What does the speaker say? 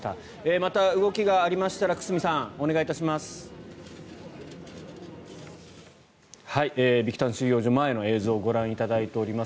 また動きがありましたら久須美さん、お願いします。